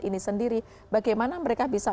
ini sendiri bagaimana mereka bisa